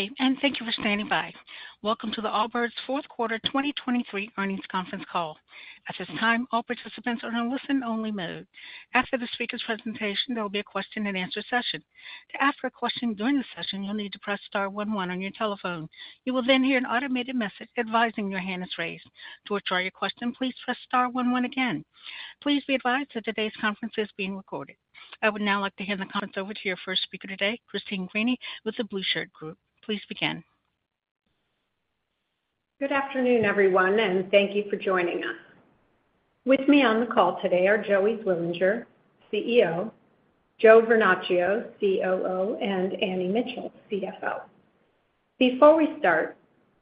Hey, and thank you for standing by. Welcome to the Allbirds' Q4 2023 earnings conference call. At this time, all participants are in a listen-only mode. After the speaker's presentation, there will be a question-and-answer session. To ask a question during the session, you'll need to press star 11 on your telephone. You will then hear an automated message advising your hand is raised. To withdraw your question, please press star 11 again. Please be advised that today's conference is being recorded. I would now like to hand the conference over to your first speaker today, Christine Greany with the Blueshirt Group. Please begin. Good afternoon, everyone, and thank you for joining us. With me on the call today are Joey Zwillinger, CEO; Joe Vernachio, COO; and Annie Mitchell, CFO. Before we start,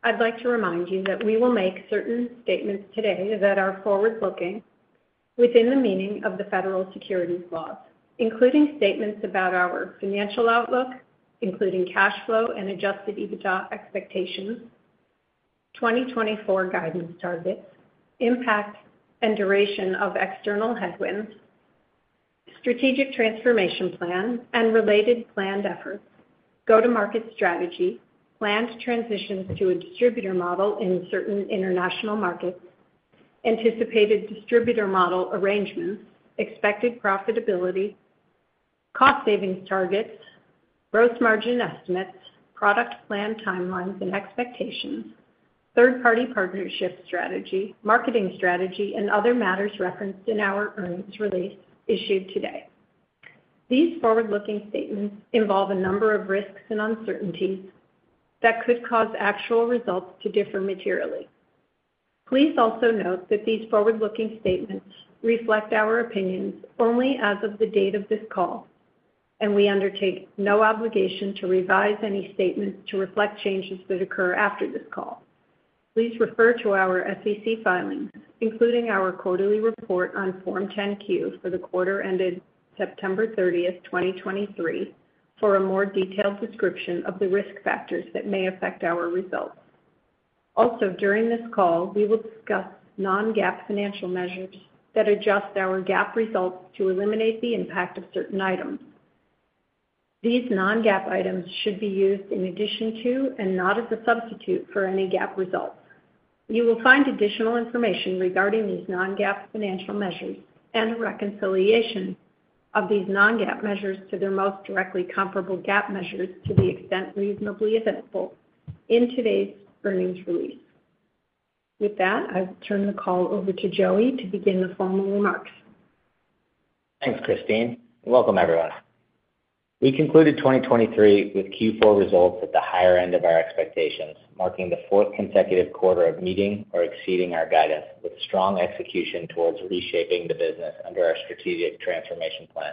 I'd like to remind you that we will make certain statements today that are forward-looking within the meaning of the federal securities laws, including statements about our financial outlook, including cash flow and Adjusted EBITDA expectations. 2024 guidance targets, impact and duration of external headwinds, strategic transformation plan, and related planned efforts, go-to-market strategy, planned transitions to a distributor model in certain international markets, anticipated distributor model arrangements, expected profitability, cost savings targets, gross margin estimates, product plan timelines, and expectations, third-party partnership strategy, marketing strategy, and other matters referenced in our earnings release issued today. These forward-looking statements involve a number of risks and uncertainties that could cause actual results to differ materially. Please also note that these forward-looking statements reflect our opinions only as of the date of this call, and we undertake no obligation to revise any statements to reflect changes that occur after this call. Please refer to our SEC filings, including our quarterly report on Form 10-Q for the quarter ended 30 September 2023, for a more detailed description of the risk factors that may affect our results. Also, during this call, we will discuss non-GAAP financial measures that adjust our GAAP results to eliminate the impact of certain items. These non-GAAP items should be used in addition to and not as a substitute for any GAAP results. You will find additional information regarding these non-GAAP financial measures and a reconciliation of these non-GAAP measures to their most directly comparable GAAP measures to the extent reasonably practicable in today's earnings release. With that, I'll turn the call over to Joey to begin the formal remarks. Thanks, Christine. Welcome, everyone. We concluded 2023 with Q4 results at the higher end of our expectations, marking the 4th consecutive quarter of meeting or exceeding our guidance with strong execution towards reshaping the business under our strategic transformation plan.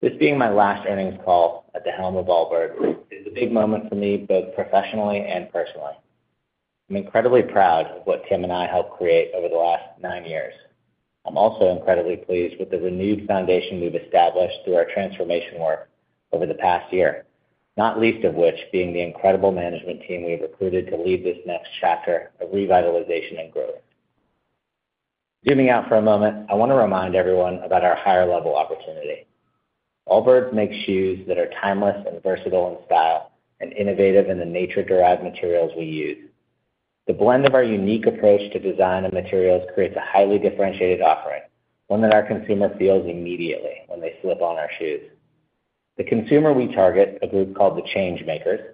This being my last earnings call at the helm of Allbirds is a big moment for me both professionally and personally. I'm incredibly proud of what Tim and I helped create over the last nine years. I'm also incredibly pleased with the renewed foundation we've established through our transformation work over the past year, not least of which being the incredible management team we've recruited to lead this next chapter of revitalization and growth. Zooming out for a moment, I want to remind everyone about our higher-level opportunity. Allbirds makes shoes that are timeless and versatile in style and innovative in the nature-derived materials we use. The blend of our unique approach to design and materials creates a highly differentiated offering, one that our consumer feels immediately when they slip on our shoes. The consumer we target, a group called the Changemakers,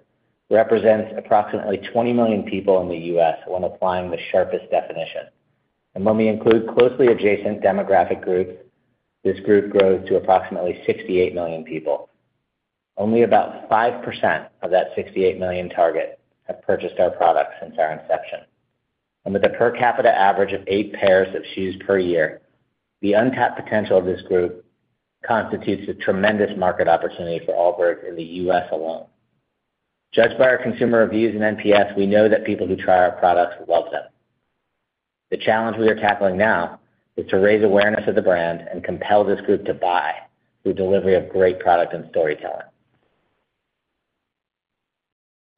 represents approximately 20 million people in the U.S. when applying the sharpest definition. When we include closely adjacent demographic groups, this group grows to approximately 68 million people. Only about 5% of that 68 million target have purchased our products since our inception. With a per capita average of eight pairs of shoes per year, the untapped potential of this group constitutes a tremendous market opportunity for Allbirds in the U.S. alone. Judged by our consumer reviews in NPS, we know that people who try our products love them. The challenge we are tackling now is to raise awareness of the brand and compel this group to buy through delivery of great product and storytelling.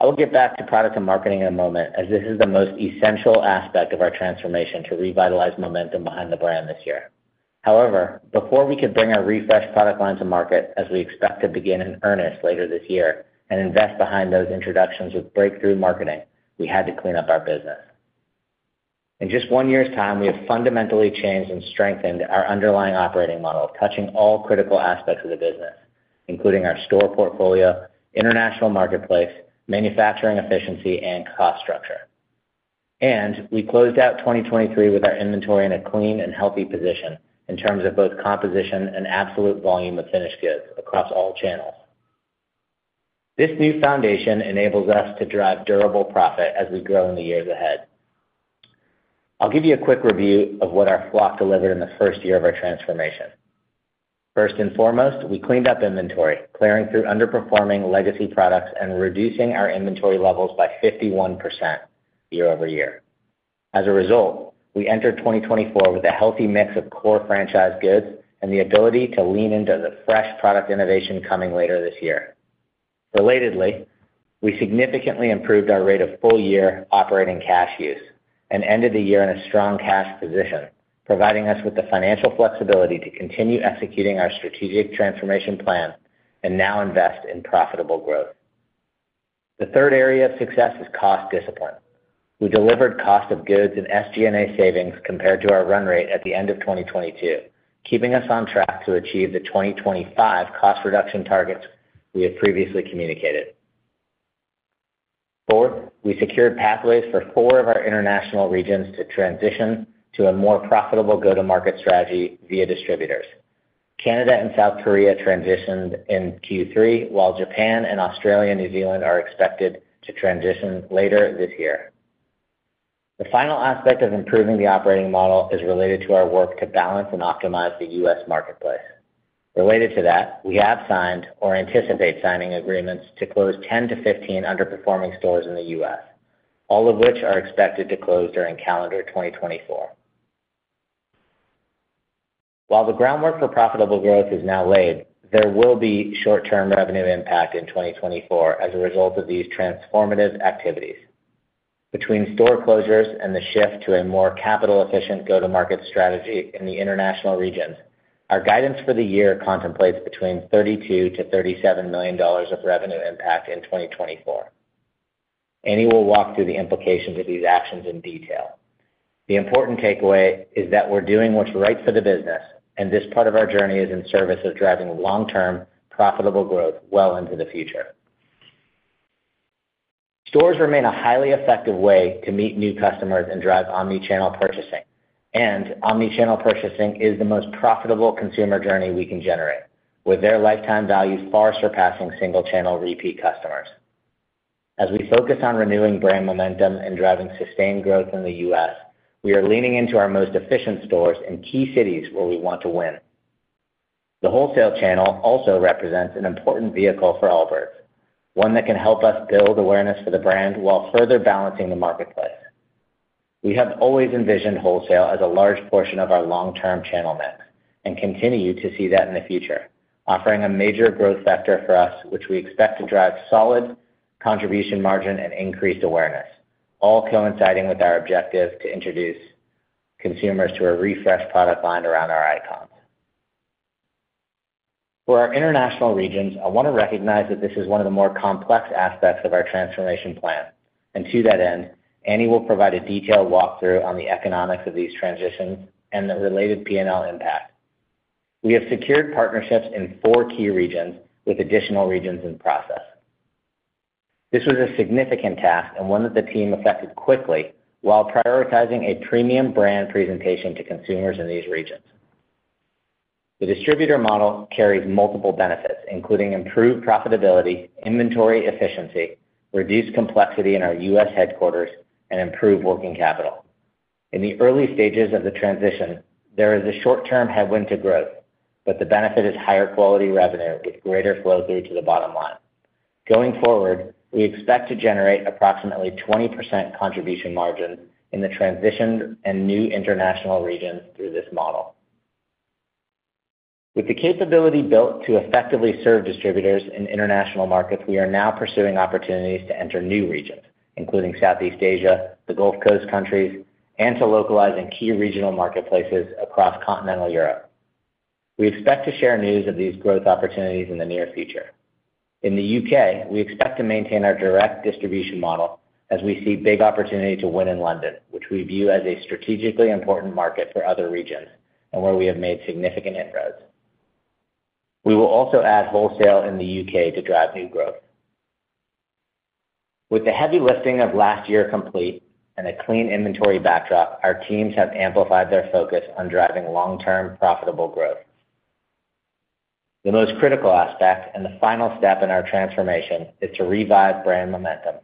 I will get back to product and marketing in a moment, as this is the most essential aspect of our transformation to revitalize momentum behind the brand this year. However, before we could bring our refreshed product line to market, as we expect to begin in earnest later this year and invest behind those introductions with breakthrough marketing, we had to clean up our business. In just one year's time, we have fundamentally changed and strengthened our underlying operating model, touching all critical aspects of the business, including our store portfolio, international marketplace, manufacturing efficiency, and cost structure. We closed out 2023 with our inventory in a clean and healthy position in terms of both composition and absolute volume of finished goods across all channels. This new foundation enables us to drive durable profit as we grow in the years ahead. I'll give you a quick review of what our flock delivered in the first year of our transformation. First and foremost, we cleaned up inventory, clearing through underperforming legacy products and reducing our inventory levels by 51% year-over-year. As a result, we entered 2024 with a healthy mix of core franchise goods and the ability to lean into the fresh product innovation coming later this year. Relatedly, we significantly improved our rate of full-year operating cash use and ended the year in a strong cash position, providing us with the financial flexibility to continue executing our strategic transformation plan and now invest in profitable growth. The third area of success is cost discipline. We delivered cost of goods and SG&A savings compared to our run rate at the end of 2022, keeping us on track to achieve the 2025 cost reduction targets we had previously communicated. Fourth, we secured pathways for four of our international regions to transition to a more profitable go-to-market strategy via distributors. Canada and South Korea transitioned in Q3, while Japan and Australia and New Zealand are expected to transition later this year. The final aspect of improving the operating model is related to our work to balance and optimize the U.S. marketplace. Related to that, we have signed or anticipate signing agreements to close 10-15 underperforming stores in the US, all of which are expected to close during calendar 2024. While the groundwork for profitable growth is now laid, there will be short-term revenue impact in 2024 as a result of these transformative activities. Between store closures and the shift to a more capital-efficient go-to-market strategy in the international regions, our guidance for the year contemplates between $32-37 million of revenue impact in 2024. Annie will walk through the implications of these actions in detail. The important takeaway is that we're doing what's right for the business, and this part of our journey is in service of driving long-term profitable growth well into the future. Stores remain a highly effective way to meet new customers and drive omnichannel purchasing, and omnichannel purchasing is the most profitable consumer journey we can generate, with their lifetime value far surpassing single-channel repeat customers. As we focus on renewing brand momentum and driving sustained growth in the U.S., we are leaning into our most efficient stores in key cities where we want to win. The wholesale channel also represents an important vehicle for Allbirds, one that can help us build awareness for the brand while further balancing the marketplace. We have always envisioned wholesale as a large portion of our long-term channel mix and continue to see that in the future, offering a major growth factor for us, which we expect to drive solid contribution margin and increased awareness, all coinciding with our objective to introduce consumers to a refreshed product line around our icons. For our international regions, I want to recognize that this is one of the more complex aspects of our transformation plan. To that end, Annie will provide a detailed walkthrough on the economics of these transitions and the related P&L impact. We have secured partnerships in four key regions with additional regions in process. This was a significant task and one that the team effected quickly while prioritizing a premium brand presentation to consumers in these regions. The distributor model carries multiple benefits, including improved profitability, inventory efficiency, reduced complexity in our U.S. headquarters, and improved working capital. In the early stages of the transition, there is a short-term headwind to growth, but the benefit is higher quality revenue with greater flow-through to the bottom line. Going forward, we expect to generate approximately 20% contribution margins in the transitioned and new international regions through this model. With the capability built to effectively serve distributors in international markets, we are now pursuing opportunities to enter new regions, including Southeast Asia, the Gulf Coast countries, and to localize in key regional marketplaces across continental Europe. We expect to share news of these growth opportunities in the near future. In the U.K., we expect to maintain our direct distribution model as we see big opportunity to win in London, which we view as a strategically important market for other regions and where we have made significant inroads. We will also add wholesale in the U.K. to drive new growth. With the heavy lifting of last year complete and a clean inventory backdrop, our teams have amplified their focus on driving long-term profitable growth. The most critical aspect and the final step in our transformation is to revive brand momentum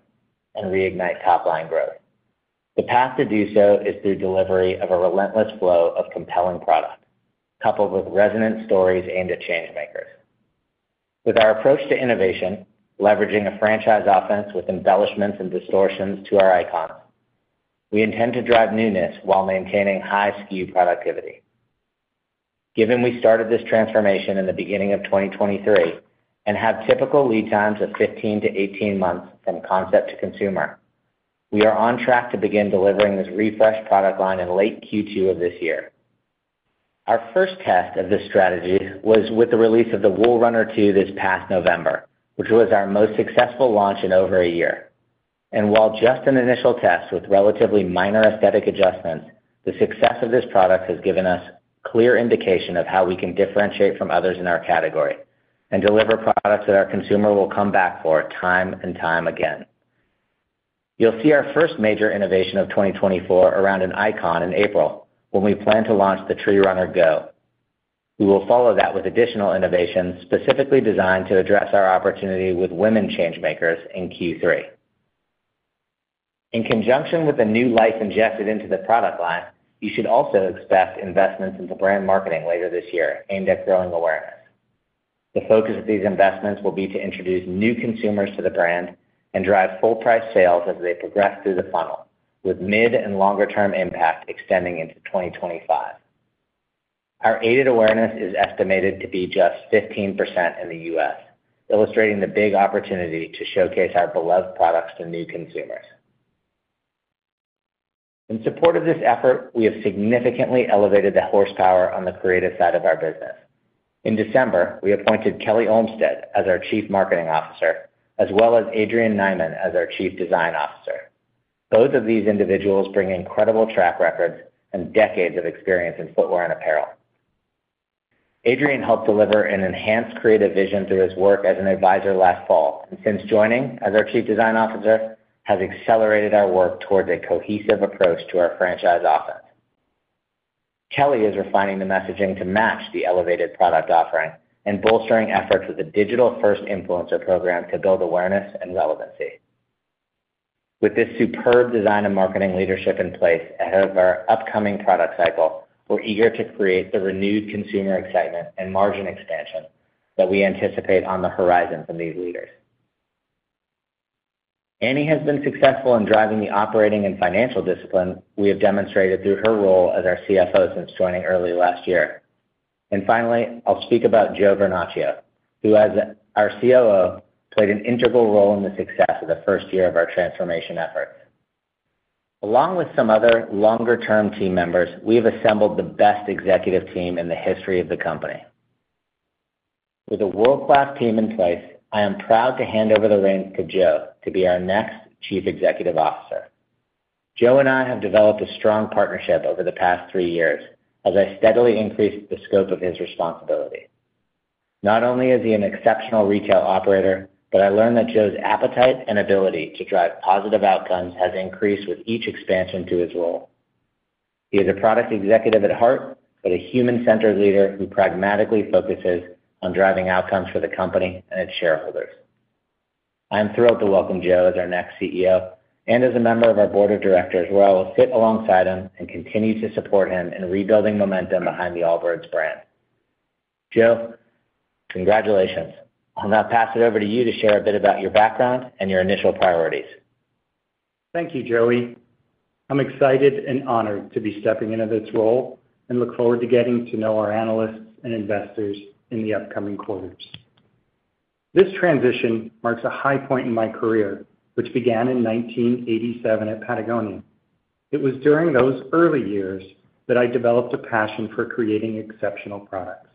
and reignite top-line growth. The path to do so is through delivery of a relentless flow of compelling product coupled with resonant stories aimed at Changemakers. With our approach to innovation, leveraging a franchise offense with embellishments and distortions to our icons, we intend to drive newness while maintaining high SKU productivity. Given we started this transformation in the beginning of 2023 and have typical lead times of 15-18 months from concept to consumer, we are on track to begin delivering this refreshed product line in late Q2 of this year. Our first test of this strategy was with the release of the Wool Runner 2 this past November, which was our most successful launch in over a year. While just an initial test with relatively minor aesthetic adjustments, the success of this product has given us clear indication of how we can differentiate from others in our category and deliver products that our consumer will come back for time and time again. You'll see our first major innovation of 2024 around an icon in April when we plan to launch the Tree Runner Go. We will follow that with additional innovations specifically designed to address our opportunity with women Changemakers in Q3. In conjunction with the new life injected into the product line, you should also expect investments into brand marketing later this year aimed at growing awareness. The focus of these investments will be to introduce new consumers to the brand and drive full-price sales as they progress through the funnel, with mid and longer-term impact extending into 2025. Our aided awareness is estimated to be just 15% in the U.S., illustrating the big opportunity to showcase our beloved products to new consumers. In support of this effort, we have significantly elevated the horsepower on the creative side of our business. In December, we appointed Kelly Olmstead as our Chief Marketing Officer, as well as Adrian Nyman as our Chief Design Officer. Both of these individuals bring incredible track records and decades of experience in footwear and apparel. Adrian helped deliver an enhanced creative vision through his work as an advisor last fall, and since joining as our Chief Design Officer, has accelerated our work towards a cohesive approach to our franchise offense. Kelly is refining the messaging to match the elevated product offering and bolstering efforts with a digital-first influencer program to build awareness and relevancy. With this superb design and marketing leadership in place ahead of our upcoming product cycle, we're eager to create the renewed consumer excitement and margin expansion that we anticipate on the horizon from these leaders. Annie has been successful in driving the operating and financial discipline we have demonstrated through her role as our CFO since joining early last year. And finally, I'll speak about Joe Vernachio, who as our COO played an integral role in the success of the first year of our transformation efforts. Along with some other longer-term team members, we have assembled the best executive team in the history of the company. With a world-class team in place, I am proud to hand over the reins to Joe to be our next Chief Executive Officer. Joe and I have developed a strong partnership over the past three years as I steadily increased the scope of his responsibility. Not only is he an exceptional retail operator, but I learned that Joe's appetite and ability to drive positive outcomes has increased with each expansion to his role. He is a product executive at heart, but a human-centered leader who pragmatically focuses on driving outcomes for the company and its shareholders. I am thrilled to welcome Joe as our next CEO and as a member of our board of directors, where I will sit alongside him and continue to support him in rebuilding momentum behind the Allbirds brand. Joe, congratulations. I'll now pass it over to you to share a bit about your background and your initial priorities. Thank you, Joey. I'm excited and honored to be stepping into this role and look forward to getting to know our analysts and investors in the upcoming quarters. This transition marks a high point in my career, which began in 1987 at Patagonia. It was during those early years that I developed a passion for creating exceptional products.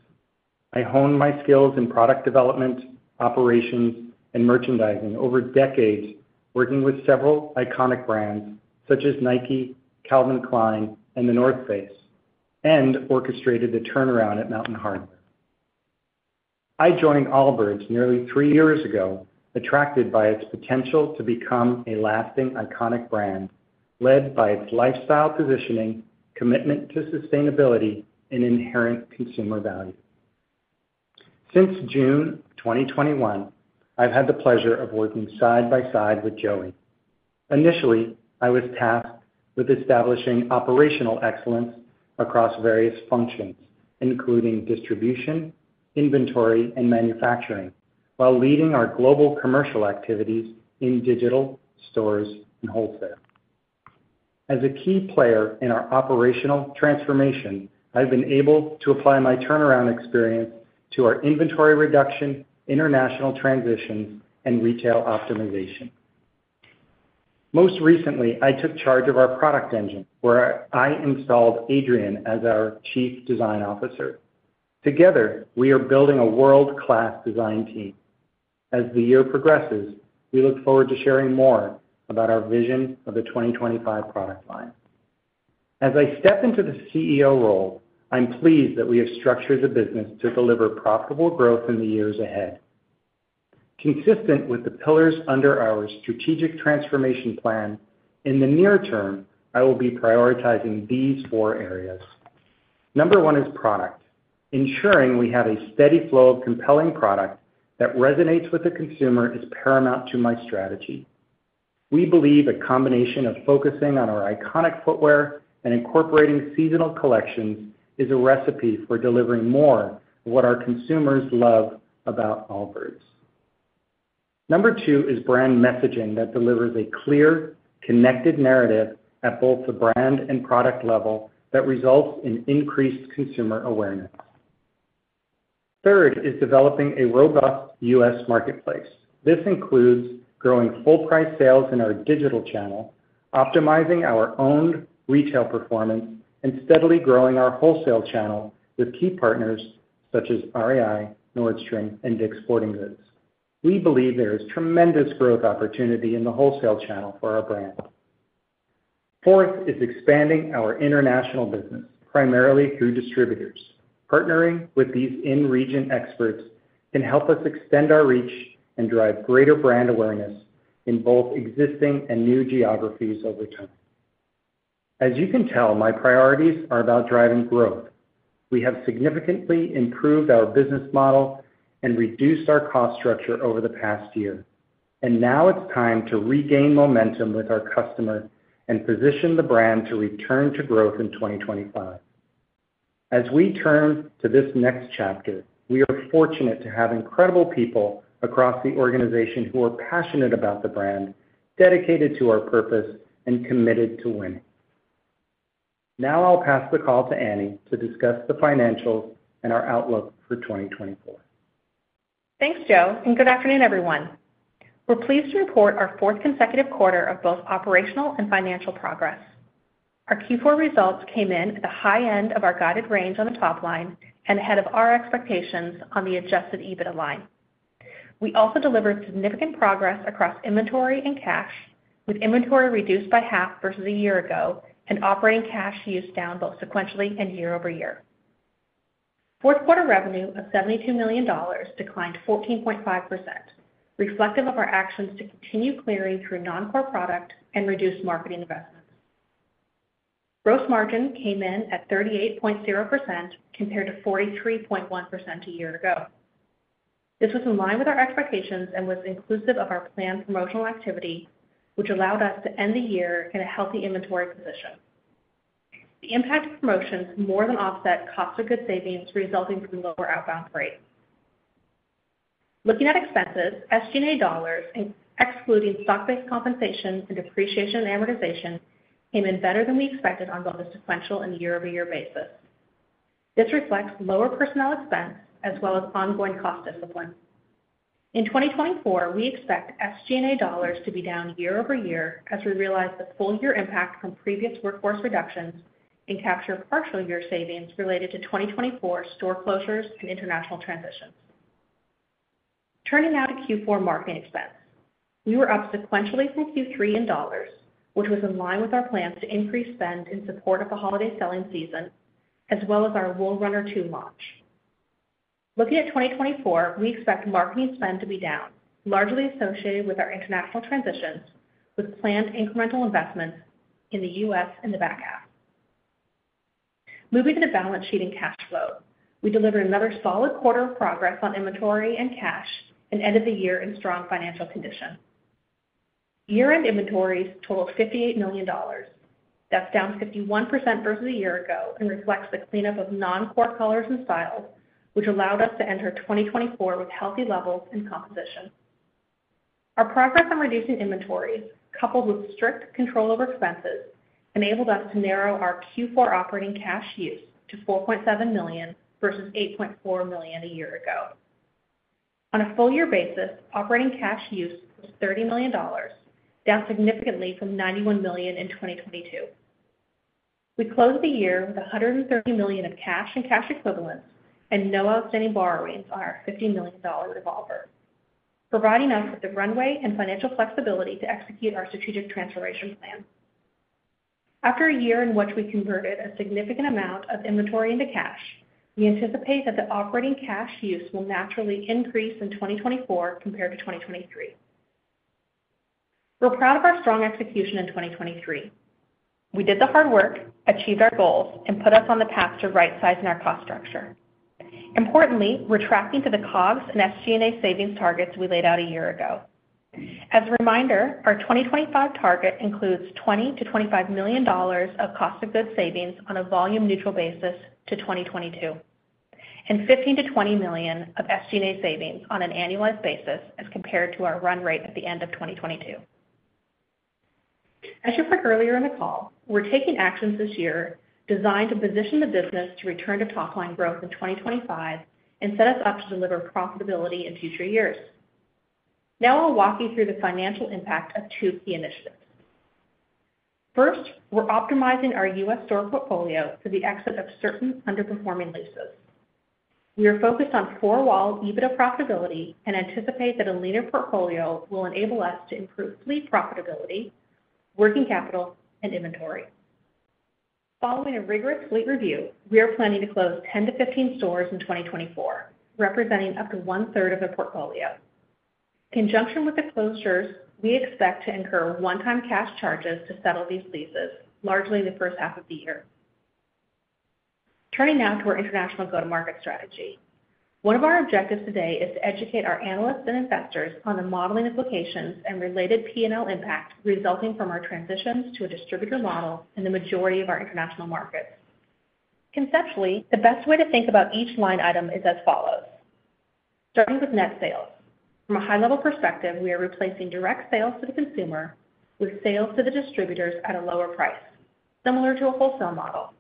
I honed my skills in product development, operations, and merchandising over decades, working with several iconic brands such as Nike, Calvin Klein, and The North Face, and orchestrated the turnaround at Mountain Hardwear. I joined Allbirds nearly three years ago, attracted by its potential to become a lasting iconic brand led by its lifestyle positioning, commitment to sustainability, and inherent consumer value. Since June 2021, I've had the pleasure of working side by side with Joey. Initially, I was tasked with establishing operational excellence across various functions, including distribution, inventory, and manufacturing, while leading our global commercial activities in digital, stores, and wholesale. As a key player in our operational transformation, I've been able to apply my turnaround experience to our inventory reduction, international transitions, and retail optimization. Most recently, I took charge of our product engine, where I installed Adrian as our Chief Design Officer. Together, we are building a world-class design team. As the year progresses, we look forward to sharing more about our vision of the 2025 product line. As I step into the CEO role, I'm pleased that we have structured the business to deliver profitable growth in the years ahead. Consistent with the pillars under our strategic transformation plan, in the near term, I will be prioritizing these four areas. Number one is product. Ensuring we have a steady flow of compelling product that resonates with the consumer is paramount to my strategy. We believe a combination of focusing on our iconic footwear and incorporating seasonal collections is a recipe for delivering more of what our consumers love about Allbirds. Number two is brand messaging that delivers a clear, connected narrative at both the brand and product level that results in increased consumer awareness. Third is developing a robust US marketplace. This includes growing full-price sales in our digital channel, optimizing our owned retail performance, and steadily growing our wholesale channel with key partners such as REI, Nordstrom, and Dick's Sporting Goods. We believe there is tremendous growth opportunity in the wholesale channel for our brand. Fourth is expanding our international business primarily through distributors. Partnering with these in-region experts can help us extend our reach and drive greater brand awareness in both existing and new geographies over time. As you can tell, my priorities are about driving growth. We have significantly improved our business model and reduced our cost structure over the past year, and now it's time to regain momentum with our customer and position the brand to return to growth in 2025. As we turn to this next chapter, we are fortunate to have incredible people across the organization who are passionate about the brand, dedicated to our purpose, and committed to winning. Now I'll pass the call to Annie to discuss the financials and our outlook for 2024. Thanks, Joe, and good afternoon, everyone. We're pleased to report our fourth consecutive quarter of both operational and financial progress. Our Q4 results came in at the high end of our guided range on the top line and ahead of our expectations on the Adjusted EBITDA line. We also delivered significant progress across inventory and cash, with inventory reduced by half versus a year ago and operating cash used down both sequentially and year-over-year. Q4 revenue of $72 million declined 14.5%, reflective of our actions to continue clearing through non-core product and reduce marketing investments. Gross margin came in at 38.0% compared to 43.1% a year ago. This was in line with our expectations and was inclusive of our planned promotional activity, which allowed us to end the year in a healthy inventory position. The impact of promotions more than offset cost-of-goods savings resulting from the lower outbound rate. Looking at expenses, SG&A dollars, excluding stock-based compensation and depreciation and amortization, came in better than we expected on both a sequential and year-over-year basis. This reflects lower personnel expense as well as ongoing cost discipline. In 2024, we expect SG&A dollars to be down year over year as we realize the full-year impact from previous workforce reductions and capture partial year savings related to 2024 store closures and international transitions. Turning now to Q4 marketing expense, we were up sequentially from Q3 in dollars, which was in line with our plans to increase spend in support of the holiday selling season as well as our Wool Runner 2 launch. Looking at 2024, we expect marketing spend to be down, largely associated with our international transitions with planned incremental investments in the U.S. and the back half. Moving to the balance sheet and cash flow, we delivered another solid quarter of progress on inventory and cash and ended the year in strong financial condition. Year-end inventories totaled $58 million. That's down 51% versus a year ago and reflects the cleanup of non-core colors and styles, which allowed us to enter 2024 with healthy levels in composition. Our progress on reducing inventories, coupled with strict control over expenses, enabled us to narrow our Q4 operating cash use to $4.7 million versus $8.4 million a year ago. On a full-year basis, operating cash use was $30 million, down significantly from $91 million in 2022. We closed the year with $130 million of cash and cash equivalents and no outstanding borrowings on our $50 million revolver, providing us with the runway and financial flexibility to execute our strategic transformation plan. After a year in which we converted a significant amount of inventory into cash, we anticipate that the operating cash use will naturally increase in 2024 compared to 2023. We're proud of our strong execution in 2023. We did the hard work, achieved our goals, and put us on the path to right-sizing our cost structure. Importantly, tracking to the COGS and SG&A savings targets we laid out a year ago. As a reminder, our 2025 target includes $20-25 million of cost-of-goods savings on a volume-neutral basis to 2022 and $15-20 million of SG&A savings on an annualized basis as compared to our run rate at the end of 2022. As you heard earlier in the call, we're taking actions this year designed to position the business to return to top-line growth in 2025 and set us up to deliver profitability in future years. Now I'll walk you through the financial impact of two key initiatives. First, we're optimizing our U.S. store portfolio for the exit of certain underperforming leases. We are focused on Four-wall EBITDA profitability and anticipate that a leaner portfolio will enable us to improve fleet profitability, working capital, and inventory. Following a rigorous fleet review, we are planning to close 10-15 stores in 2024, representing up to 1/3 of the portfolio. In conjunction with the closures, we expect to incur one-time cash charges to settle these leases, largely the first half of the year. Turning now to our international go-to-market strategy. One of our objectives today is to educate our analysts and investors on the modeling implications and related P&L impact resulting from our transitions to a distributor model in the majority of our international markets. Conceptually, the best way to think about each line item is as follows. Starting with net sales. From a high-level perspective, we are replacing direct sales to the consumer with sales to the distributors at a lower price, similar to a wholesale model.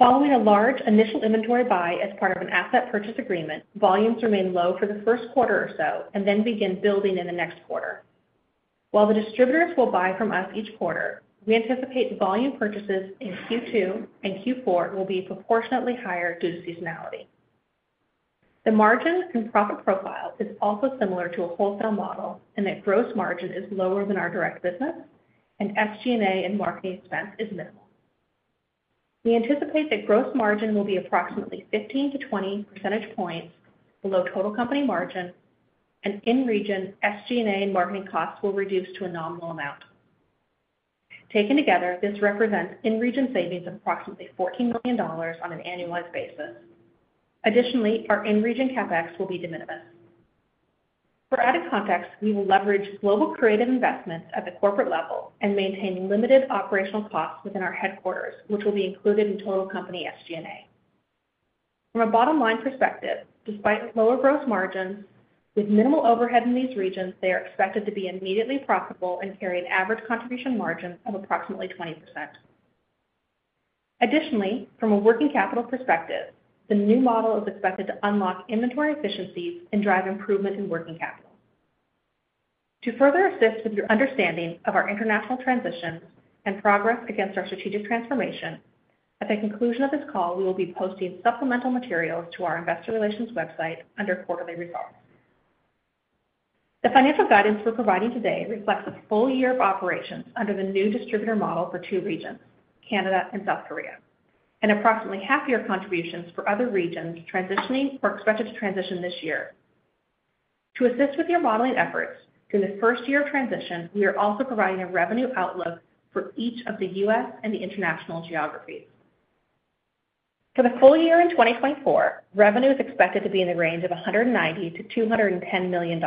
Following a large initial inventory buy as part of an asset purchase agreement, volumes remain low for the Q1 or so and then begin building in the next quarter. While the distributors will buy from us each quarter, we anticipate volume purchases in Q2 and Q4 will be proportionately higher due to seasonality. The margin and profit profile is also similar to a wholesale model in that gross margin is lower than our direct business, and SG&A and marketing expense is minimal. We anticipate that gross margin will be approximately 15%-20% points below total company margin, and in-region SG&A and marketing costs will reduce to a nominal amount. Taken together, this represents in-region savings of approximately $14 million on an annualized basis. Additionally, our in-region CapEx will be de minimis. For added context, we will leverage global creative investments at the corporate level and maintain limited operational costs within our headquarters, which will be included in total company SG&A. From a bottom-line perspective, despite lower gross margins, with minimal overhead in these regions, they are expected to be immediately profitable and carry an average contribution margin of approximately 20%. Additionally, from a working capital perspective, the new model is expected to unlock inventory efficiencies and drive improvement in working capital. To further assist with your understanding of our international transitions and progress against our strategic transformation, at the conclusion of this call, we will be posting supplemental materials to our investor relations website under quarterly results. The financial guidance we're providing today reflects a full year of operations under the new distributor model for two regions, Canada and South Korea, and approximately half-year contributions for other regions transitioning or expected to transition this year. To assist with your modeling efforts during the first year of transition, we are also providing a revenue outlook for each of the U.S. and the international geographies. For the full year in 2024, revenue is expected to be in the range of $190-210 million.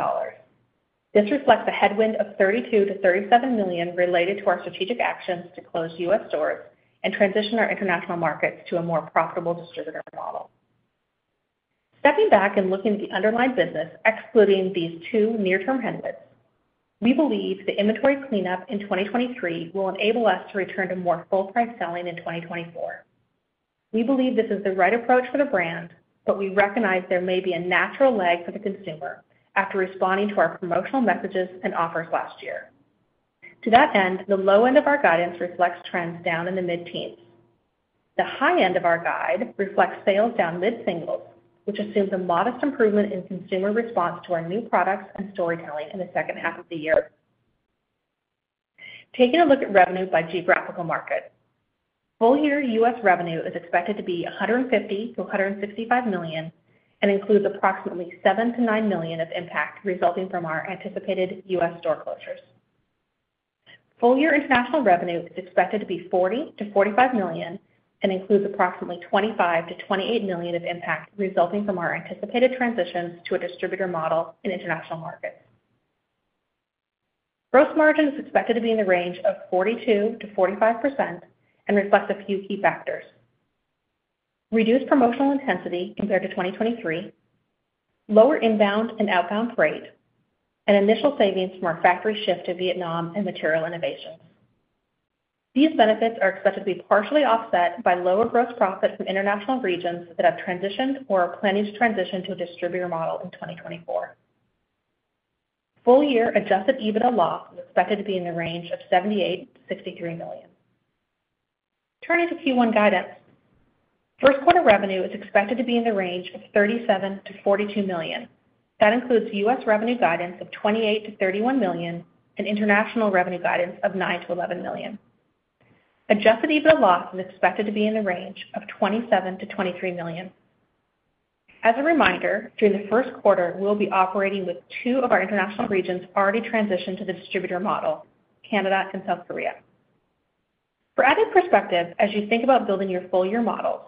This reflects a headwind of $32-37 million related to our strategic actions to close US stores and transition our international markets to a more profitable distributor model. Stepping back and looking at the underlying business, excluding these two near-term headwinds, we believe the inventory cleanup in 2023 will enable us to return to more full-price selling in 2024. We believe this is the right approach for the brand, but we recognize there may be a natural lag for the consumer after responding to our promotional messages and offers last year. To that end, the low end of our guidance reflects trends down in the mid-teens. The high end of our guide reflects sales down mid-singles, which assumes a modest improvement in consumer response to our new products and storytelling in the second half of the year. Taking a look at revenue by geographical market. Full-year US revenue is expected to be $150-165 million and includes approximately $7-9 million of impact resulting from our anticipated US store closures. Full-year international revenue is expected to be $40-45 million and includes approximately $25-28 million of impact resulting from our anticipated transitions to a distributor model in international markets. Gross margin is expected to be in the range of 42%-45% and reflects a few key factors: reduced promotional intensity compared to 2023, lower inbound and outbound rate, and initial savings from our factory shift to Vietnam and material innovations. These benefits are expected to be partially offset by lower gross profit from international regions that have transitioned or are planning to transition to a distributor model in 2024. Full-year Adjusted EBITDA loss is expected to be in the range of $78-63 million. Turning to Q1 guidance. First-quarter revenue is expected to be in the range of $37-42 million. That includes U.S. revenue guidance of $28-31 million and international revenue guidance of $9-11 million. Adjusted EBITDA loss is expected to be in the range of $27-23 million. As a reminder, during the Q1, we'll be operating with two of our international regions already transitioned to the distributor model, Canada and South Korea. For added perspective, as you think about building your full-year models,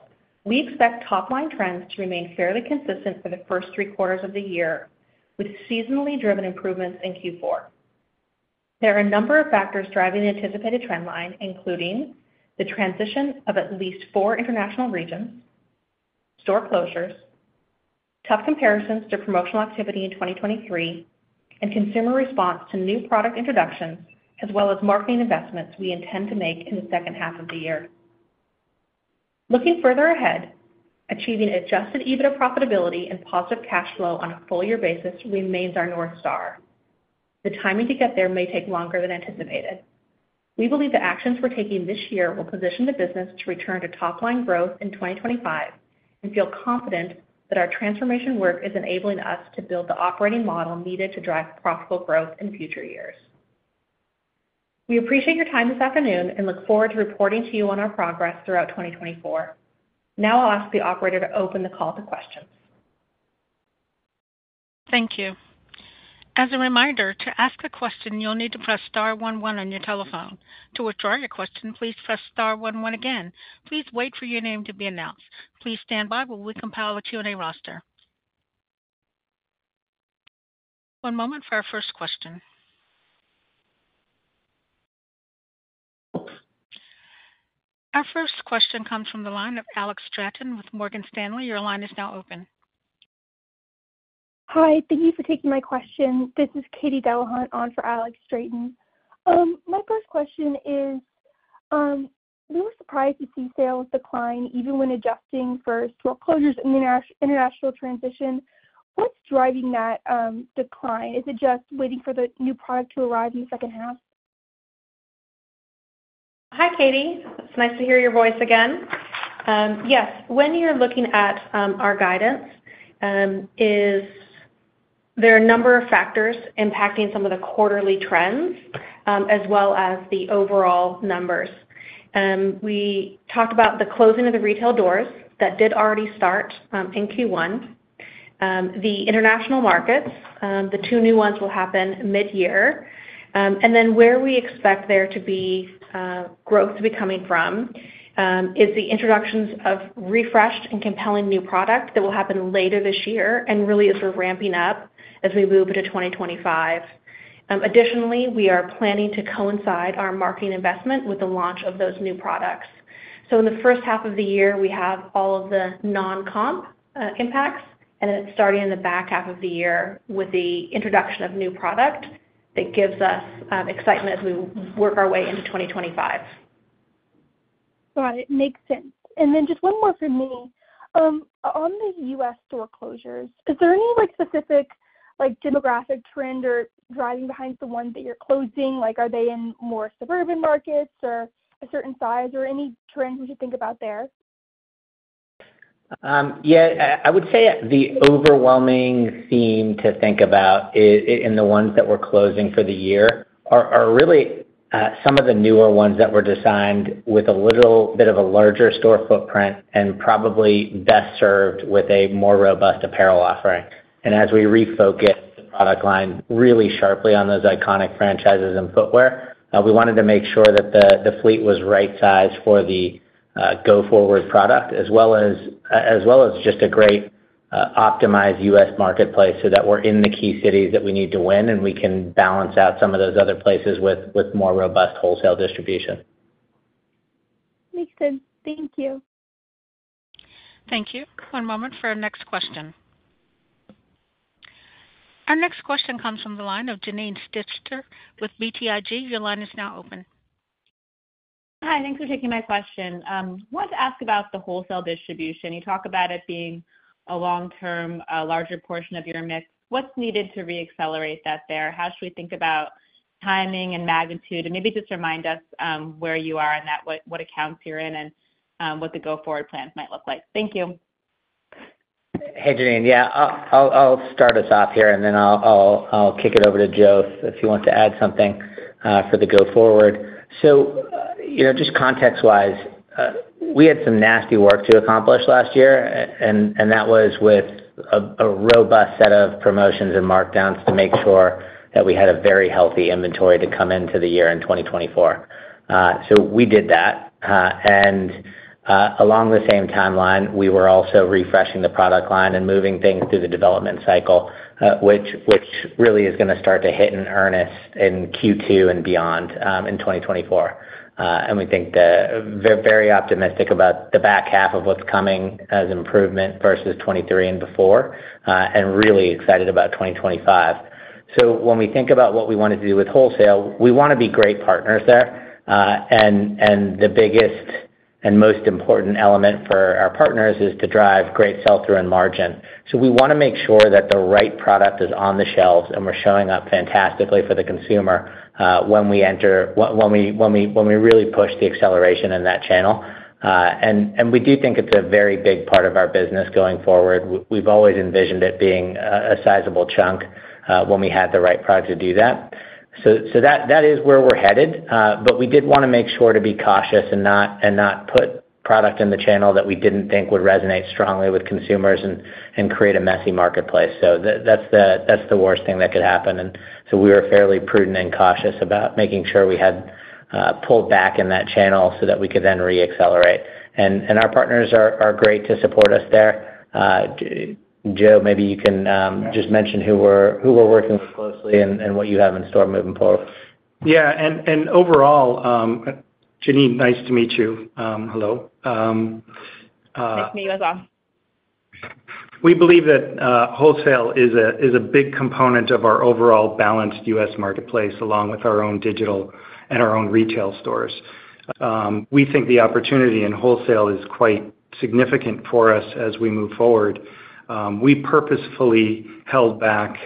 we expect top-line trends to remain fairly consistent for the first three quarters of the year, with seasonally driven improvements in Q4. There are a number of factors driving the anticipated trendline, including the transition of at least four international regions, store closures, tough comparisons to promotional activity in 2023, and consumer response to new product introductions as well as marketing investments we intend to make in the second half of the year. Looking further ahead, achieving Adjusted EBITDA profitability and positive cash flow on a full-year basis remains our north star. The timing to get there may take longer than anticipated. We believe the actions we're taking this year will position the business to return to top-line growth in 2025 and feel confident that our transformation work is enabling us to build the operating model needed to drive profitable growth in future years. We appreciate your time this afternoon and look forward to reporting to you on our progress throughout 2024. Now I'll ask the operator to open the call to questions. Thank you. As a reminder, to ask a question, you'll need to press star 11 on your telephone. To withdraw your question, please press star 11 again. Please wait for your name to be announced. Please stand by while we compile a Q&A roster. One moment for our first question. Our first question comes from the line of Alex Stratton with Morgan Stanley. Your line is now open. Hi. Thank you for taking my question. This is Katie Dellahunt on for Alex Stratton. My first question is, we were surprised to see sales decline even when adjusting for store closures and the international transition. What's driving that decline? Is it just waiting for the new product to arrive in the second half? Hi, Katie. It's nice to hear your voice again. Yes, when you're looking at our guidance, there are a number of factors impacting some of the quarterly trends as well as the overall numbers. We talked about the closing of the retail doors that did already start in Q1, the international markets, the two new ones will happen midyear. Then where we expect there to be growth to be coming from is the introductions of refreshed and compelling new product that will happen later this year and really as we're ramping up as we move into 2025. Additionally, we are planning to coincide our marketing investment with the launch of those new products. In the first half of the year, we have all of the non-comp impacts, and then it's starting in the back half of the year with the introduction of new product that gives us excitement as we work our way into 2025. Got it. Makes sense. Then just one more for me. On the U.S. store closures, is there any specific demographic trend or driving behind the ones that you're closing? Are they in more suburban markets? or a certain size or any trends we should think about there? Yeah. I would say the overwhelming theme to think about in the ones that we're closing for the year are really some of the newer ones that were designed with a little bit of a larger store footprint and probably best served with a more robust apparel offering. As we refocus the product line really sharply on those iconic franchises and footwear, we wanted to make sure that the fleet was right-sized for the go-forward product as well as just a great optimized U.S. marketplace so that we're in the key cities that we need to win and we can balance out some of those other places with more robust wholesale distribution. Makes sense. Thank you. Thank you. One moment for our next question. Our next question comes from the line of Janine Stichter with BTIG. Your line is now open. Hi. Thanks for taking my question. I wanted to ask about the wholesale distribution. You talk about it being a long-term, larger portion of your mix. What's needed to reaccelerate that there? How should we think about timing and magnitude? Maybe just remind us where you are and what accounts you're in and what the go-forward plans might look like. Thank you. Janine. Yeah. I'll start us off here, and then I'll kick it over to Joe if he wants to add something for the go-forward. Just context-wise, we had some nasty work to accomplish last year, and that was with a robust set of promotions and markdowns to make sure that we had a very healthy inventory to come into the year in 2024. We did that. Along the same timeline, we were also refreshing the product line and moving things through the development cycle, which really is going to start to hit in earnest in Q2 and beyond in 2024. We think very optimistic about the back half of what's coming as improvement versus 2023 and before, and really excited about 2025. When we think about what we want to do with wholesale, we want to be great partners there. The biggest and most important element for our partners is to drive great sell-through and margin. We want to make sure that the right product is on the shelves and we're showing up fantastically for the consumer when we really push the acceleration in that channel. We do think it's a very big part of our business going forward we've always envisioned it being a sizable chunk when we had the right product to do that. That is where we're headed. But we did want to make sure to be cautious and not put product in the channel that we didn't think would resonate strongly with consumers and create a messy marketplace. That's the worst thing that could happen. And so we were fairly prudent and cautious about making sure we had pulled back in that channel so that we could then reaccelerate. Our partners are great to support us there. Joe, maybe you can just mention who we're working with closely and what you have in store moving forward. Yeah. Overall, Janine, nice to meet you. Hello. Nice to meet you as well. We believe that wholesale is a big component of our overall balanced U.S. marketplace along with our own digital and our own retail stores. We think the opportunity in wholesale is quite significant for us as we move forward. We purposefully held back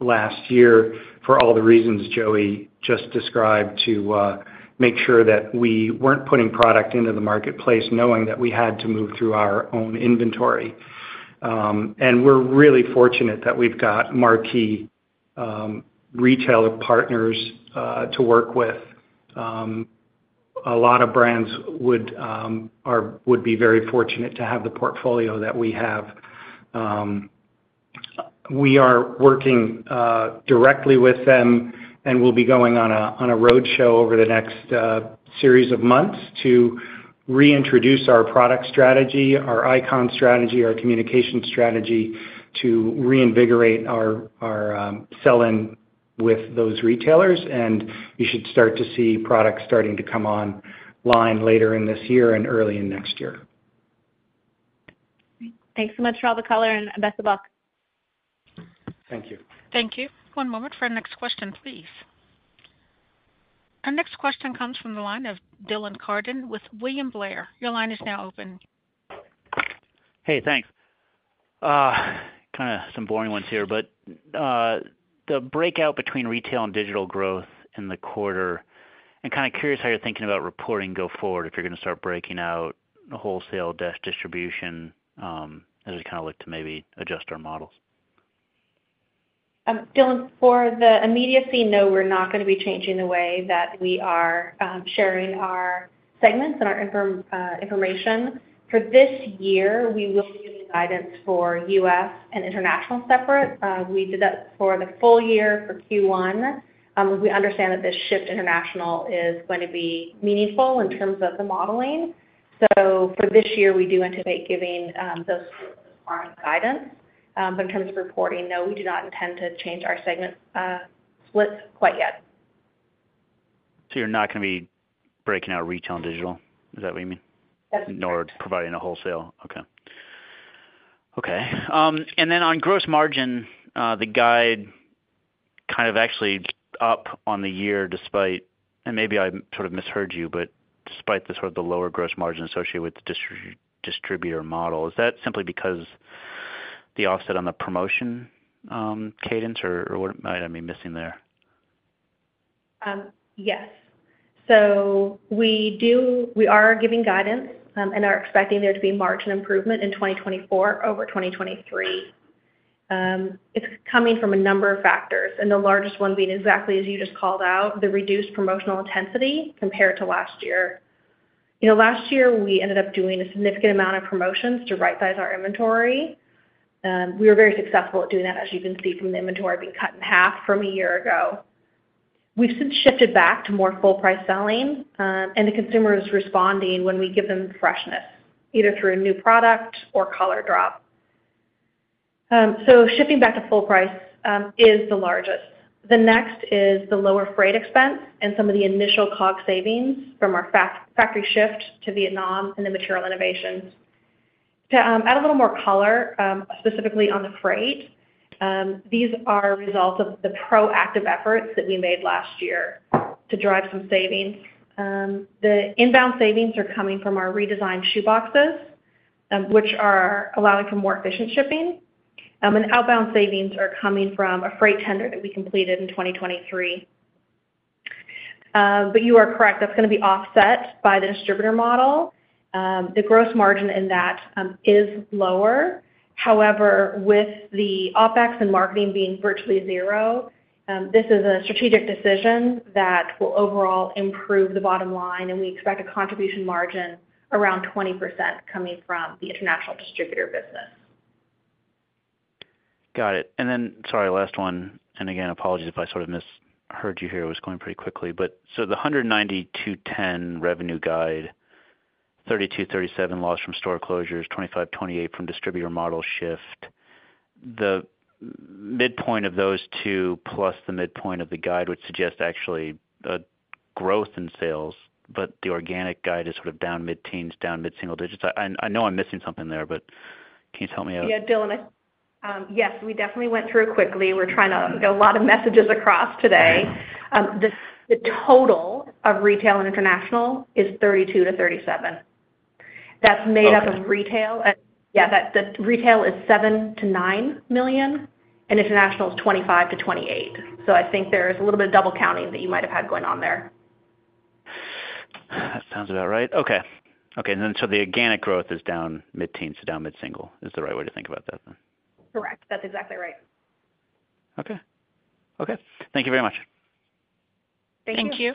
last year for all the reasons Joey just described to make sure that we weren't putting product into the marketplace knowing that we had to move through our own inventory. We're really fortunate that we've got marquee retailer partners to work with. A lot of brands would be very fortunate to have the portfolio that we have. We are working directly with them and will be going on a roadshow over the next series of months to reintroduce our product strategy, our icon strategy, our communication strategy to reinvigorate our sell-in with those retailers. You should start to see products starting to come online later in this year and early in next year. Great. Thanks so much for all the color, and best of luck. Thank you. Thank you. One moment for our next question, please. Our next question comes from the line of Dylan Carden with William Blair. Your line is now open. Hey. Thanks. Kind of some boring ones here, but the breakout between retail and digital growth in the quarter, and kind of curious how you're thinking about reporting go forward if you're going to start breaking out the wholesale-dash distribution as we kind of look to maybe adjust our models. Dylan, for the immediacy, no, we're not going to be changing the way that we are sharing our segments and our information. For this year, we will be giving guidance for US and international separate. We did that for the full year for Q1. We understand that this shift international is going to be meaningful in terms of the modeling. For this year, we do anticipate giving those forms of guidance. But in terms of reporting, no, we do not intend to change our segment split quite yet. You're not going to be breaking out retail and digital? Is that what you mean? That's correct. Nor providing a wholesale? Then on gross margin, the guide kind of actually up on the year despite and maybe I sort of misheard you, but despite the sort of the lower gross margin associated with the distributor model, is that simply because the offset on the promotion cadence or what am I missing there? Yes. We are giving guidance and are expecting there to be margin improvement in 2024 over 2023. It's coming from a number of factors, and the largest one being exactly as you just called out, the reduced promotional intensity compared to last year. Last year, we ended up doing a significant amount of promotions to right-size our inventory. We were very successful at doing that, as you can see from the inventory being cut in half from a year ago. We've since shifted back to more full-price selling, and the consumer is responding when we give them freshness, either through a new product or color drop. Shifting back to full price is the largest. The next is the lower freight expense and some of the initial COGS savings from our factory shift to Vietnam and the material innovations. To add a little more color, specifically on the freight, these are results of the proactive efforts that we made last year to drive some savings. The inbound savings are coming from our redesigned shoeboxes, which are allowing for more efficient shipping. Outbound savings are coming from a freight tender that we completed in 2023. But you are correct. That's going to be offset by the distributor model. The gross margin in that is lower. However, with the OpEx and marketing being virtually zero, this is a strategic decision that will overall improve the bottom line, and we expect a contribution margin around 20% coming from the international distributor business. Got it. Then, sorry, last one. Apologies if I sort of misheard you here. It was going pretty quickly. The $190-210 revenue guide, $32-37 loss from store closures, $25-28 from distributor model shift. The midpoint of those two plus the midpoint of the guide would suggest actually growth in sales, but the organic guide is sort of down mid-teens, down mid-single digits. I know I'm missing something there, but can you tell me? Yeah, Dylan. Yes, we definitely went through it quickly. We're trying to get a lot of messages across today. The total of retail and international is $32-37 million. That's made up of retail yeah, the retail is $7-9 million, and international is $25-28 million. I think there's a little bit of double counting that you might have had going on there. That sounds about right. Okay. Then so the organic growth is down mid-teens, so down mid-single. Is the right way to think about that then? Correct. That's exactly right. Okay. Okay. Thank you very much. Thank you. Thank you.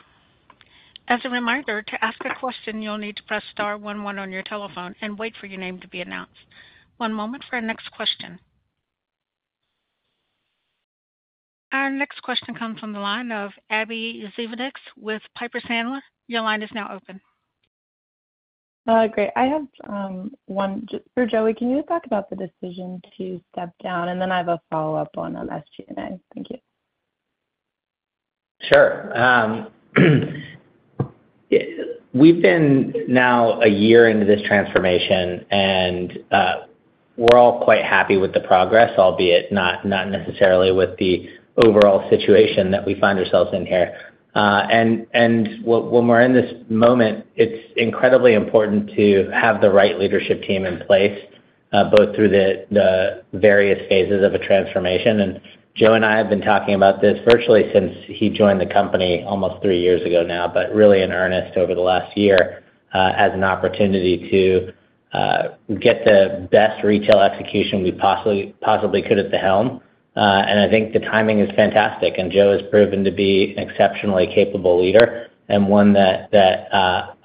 As a reminder, to ask a question, you'll need to press star 11 on your telephone and wait for your name to be announced. One moment for our next question. Our next question comes from the line of Abbie Zvejnieks with Piper Sandler. Your line is now open. Great. I have one for Joey. Can you talk about the decision to step down? Then I have a follow-up on SG&A. Thank you. Sure. We've been now a year into this transformation, and we're all quite happy with the progress, albeit not necessarily with the overall situation that we find ourselves in here. When we're in this moment, it's incredibly important to have the right leadership team in place both through the various phases of a transformation. Joe and I have been talking about this virtually since he joined the company almost three years ago now, but really in earnest over the last year as an opportunity to get the best retail execution we possibly could at the helm. I think the timing is fantastic, and Joe has proven to be an exceptionally capable leader and one that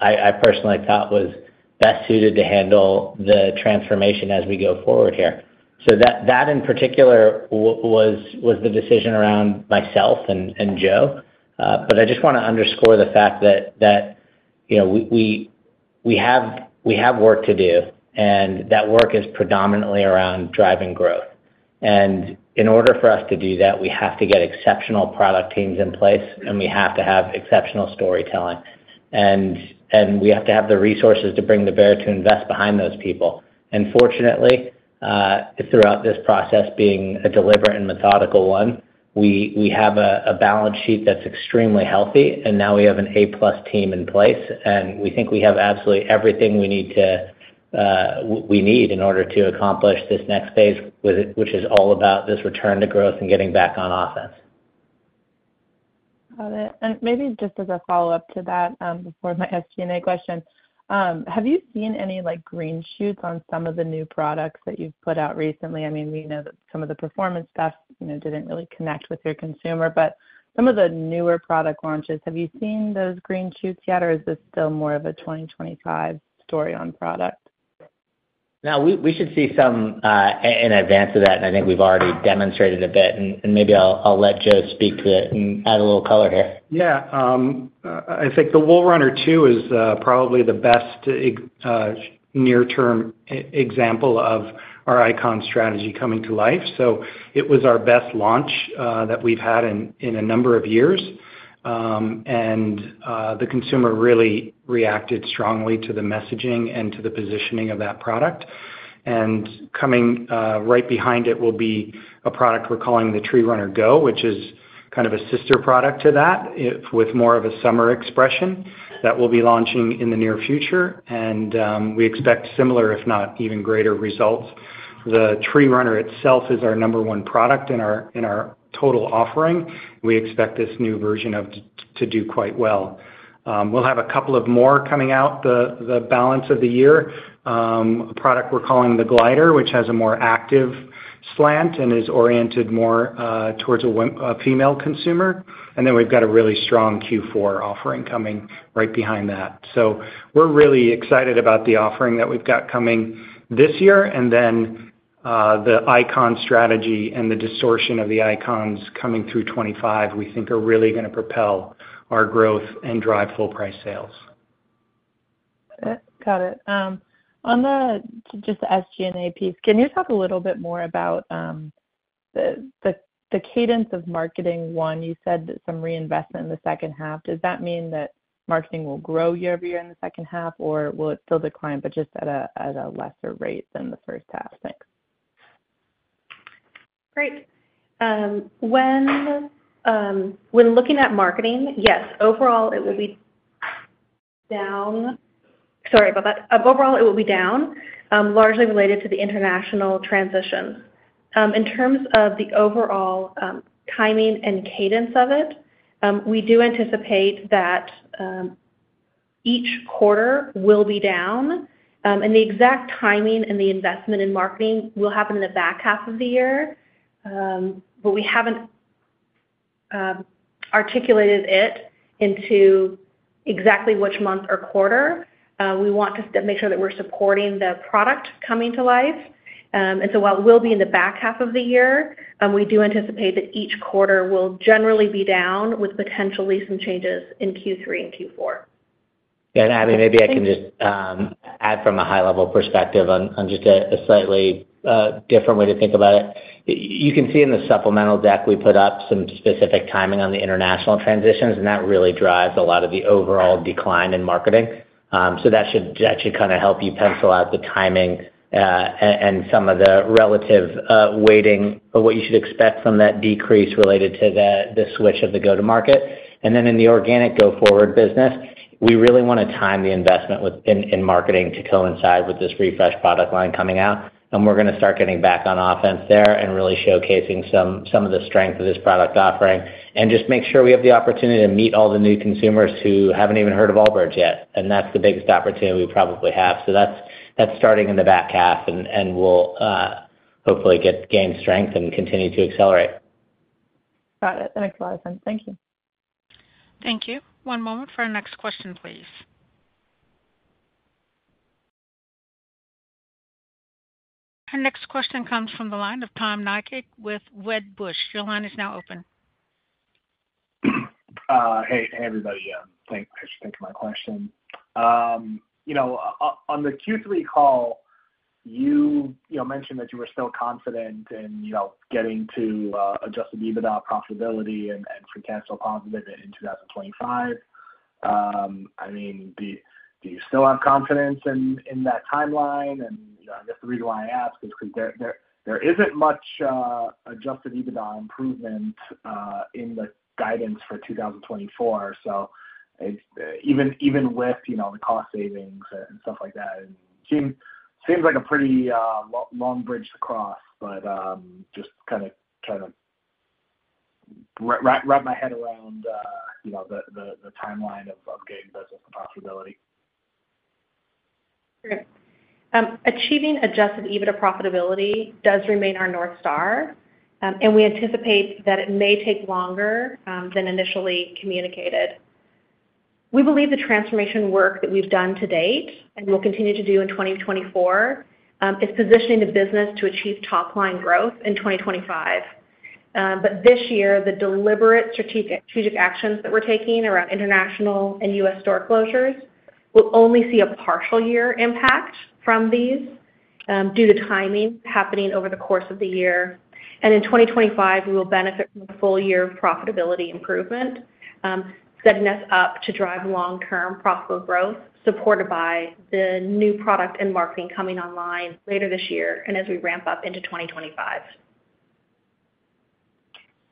I personally thought was best suited to handle the transformation as we go forward here. That in particular was the decision around myself and Joe. But I just want to underscore the fact that we have work to do, and that work is predominantly around driving growth. In order for us to do that, we have to get exceptional product teams in place, and we have to have exceptional storytelling. We have to have the resources to bring to bear to invest behind those people. Fortunately, throughout this process, being a deliberate and methodical one, we have a balance sheet that's extremely healthy, and now we have an A-plus team in place. We think we have absolutely everything we need in order to accomplish this next phase, which is all about this return to growth and getting back on offense. Got it. Maybe just as a follow-up to that before my SG&A question, have you seen any green shoots on some of the new products that you've put out recently? I mean, we know that some of the performance best didn't really connect with your consumer, but some of the newer product launches, have you seen those green shoots yet, or is this still more of a 2025 story on product? Now, we should see some in advance of that, and I think we've already demonstrated a bit. Maybe I'll let Joe speak to it and add a little color here. Yeah. I think the Wool Runner 2 is probably the best near-term example of our icon strategy coming to life. It was our best launch that we've had in a number of years, and the consumer really reacted strongly to the messaging and to the positioning of that product. Coming right behind it will be a product we're calling the Tree Runner Go, which is kind of a sister product to that with more of a summer expression that we'll be launching in the near future. We expect similar, if not even greater results. The Tree Runner itself is our number one product in our total offering, and we expect this new version to do quite well. We'll have a couple of more coming out the balance of the year. A product we're calling the Tree Glider, which has a more active slant and is oriented more towards a female consumer. Then we've got a really strong Q4 offering coming right behind that. We're really excited about the offering that we've got coming this year. Then the icon strategy and the distortion of the icons coming through 2025, we think, are really going to propel our growth and drive full-price sales. Got it. On just the SG&A piece, can you talk a little bit more about the cadence of marketing? One, you said some reinvestment in the second half. Does that mean that marketing will grow year over year in the second half, or will it still decline but just at a lesser rate than the first half? Thanks. Great. When looking at marketing, yes, overall, it will be down, sorry about that. Overall, it will be down, largely related to the international transition. In terms of the overall timing and cadence of it, we do anticipate that each quarter will be down. The exact timing and the investment in marketing will happen in the back half of the year, but we haven't articulated it into exactly which month or quarter. We want to make sure that we're supporting the product coming to life. While it will be in the back half of the year, we do anticipate that each quarter will generally be down with potentially some changes in Q3 and Q4. Abbie, maybe I can just add from a high-level perspective on just a slightly different way to think about it. You can see in the supplemental deck we put up some specific timing on the international transitions, and that really drives a lot of the overall decline in marketing. That should kind of help you pencil out the timing and some of the relative weighting of what you should expect from that decrease related to the switch of the go-to-market. Then in the organic go-forward business, we really want to time the investment in marketing to coincide with this refreshed product line coming out. We're going to start getting back on offense there and really showcasing some of the strength of this product offering and just make sure we have the opportunity to meet all the new consumers who haven't even heard of Allbirds yet. That's the biggest opportunity we probably have that's starting in the back half, and we'll hopefully gain strength and continue to accelerate. Got it. That makes a lot of sense. Thank you. Thank you. One moment for our next question, please. Our next question comes from the line of Tom Nikic with Wedbush. Your line is now open. Hey, everybody. Thanks for taking my question. On the Q3 call, you mentioned that you were still confident in getting to Adjusted EBITDA profitability and free cash flow positive in 2025. I mean, do you still have confidence in that timeline? I guess the reason why I ask is because there isn't much Adjusted EBITDA improvement in the guidance for 2024. Even with the cost savings and stuff like that, it seems like a pretty long bridge to cross, but just kind of wrap my head around the timeline of getting business to profitability. Great. Achieving Adjusted EBITDA profitability does remain our north star, and we anticipate that it may take longer than initially communicated. We believe the transformation work that we've done to date and will continue to do in 2024 is positioning the business to achieve top-line growth in 2025. But this year, the deliberate strategic actions that we're taking around international and US store closures will only see a partial year impact from these due to timing happening over the course of the year. In 2025, we will benefit from a full-year profitability improvement, setting us up to drive long-term profitable growth supported by the new product and marketing coming online later this year and as we ramp up into 2025.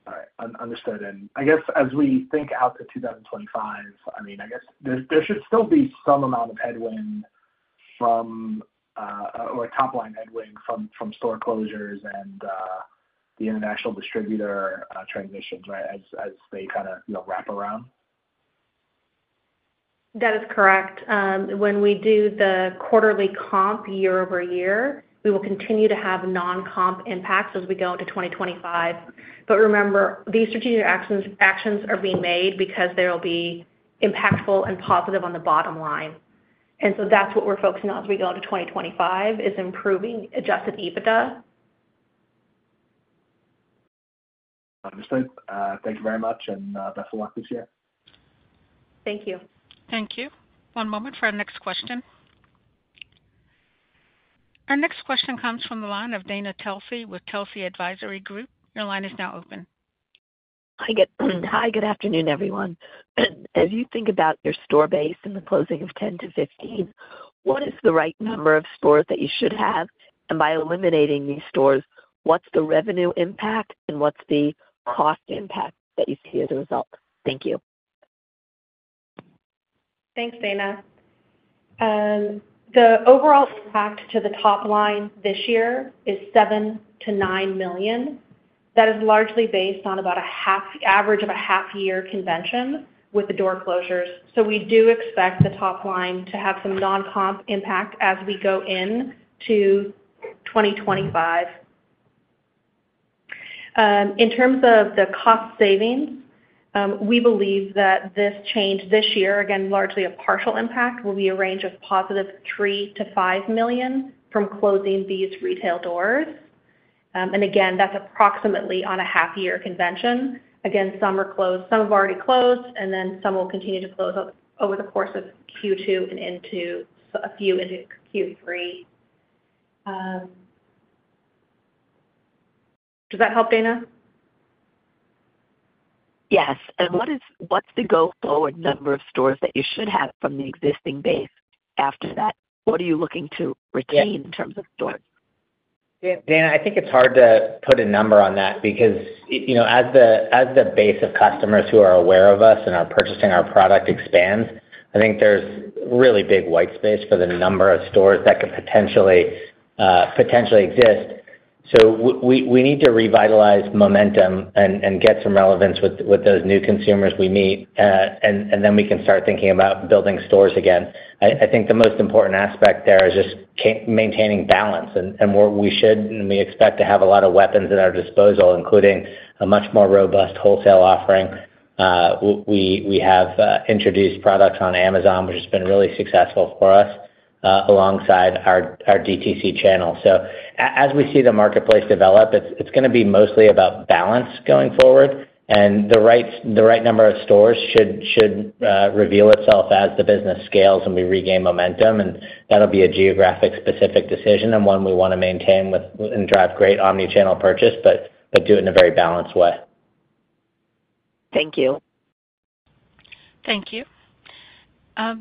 All right. Understood. I guess as we think out to 2025, I mean, I guess there should still be some amount of headwind or top-line headwind from store closures and the international distributor transitions, right, as they kind of wrap around? That is correct. When we do the quarterly comp year-over-year, we will continue to have non-comp impacts as we go into 2025. But remember, these strategic actions are being made because they'll be impactful and positive on the bottom line. That's what we're focusing on as we go into 2025, is improving Adjusted EBITDA. Understood. Thank you very much, and best of luck this year. Thank you. Thank you. One moment for our next question. Our next question comes from the line of Dana Telsey with Telsey Advisory Group. Your line is now open. Hi. Good afternoon, everyone. As you think about your store base in the closing of 10-15, what is the right number of stores that you should have? By eliminating these stores, what's the revenue impact, and what's the cost impact that you see as a result? Thank you. Thanks, Dana. The overall impact to the top line this year is $7-9 million. That is largely based on an average of a half-year convention with the door closures. We do expect the top line to have some non-comp impact as we go into 2025. In terms of the cost savings, we believe that this change this year, again, largely a partial impact, will be a range of positive $3-5 million from closing these retail doors. Again, that's approximately on a half-year convention. Again, some have already closed, and then some will continue to close over the course of Q2 and into a few into Q3. Does that help, Dana? Yes. What's the go-forward number of stores that you should have from the existing base after that? What are you looking to retain in terms of stores? Dana, I think it's hard to put a number on that because as the base of customers who are aware of us and are purchasing our product expands, I think there's really big white space for the number of stores that could potentially exist. We need to revitalize momentum and get some relevance with those new consumers we meet, and then we can start thinking about building stores again. I think the most important aspect there is just maintaining balance. We should, and we expect to have a lot of weapons at our disposal, including a much more robust wholesale offering. We have introduced products on Amazon, which has been really successful for us, alongside our DTC channel. As we see the marketplace develop, it's going to be mostly about balance going forward. The right number of stores should reveal itself as the business scales and we regain momentum. That'll be a geographic-specific decision and one we want to maintain and drive great omnichannel purchase, but do it in a very balanced way. Thank you. Thank you.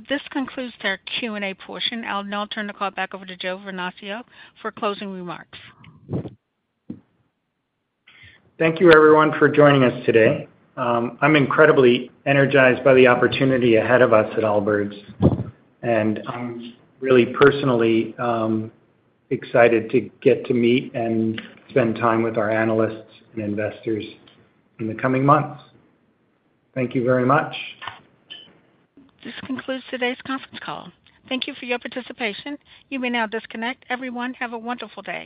This concludes our Q&A portion. I'll now turn the call back over to Joe Vernachio for closing remarks. Thank you, everyone, for joining us today. I'm incredibly energized by the opportunity ahead of us at Allbirds, and I'm really personally excited to get to meet and spend time with our analysts and investors in the coming months. Thank you very much. This concludes today's conference call. Thank you for your participation. You may now disconnect. Everyone, have a wonderful day.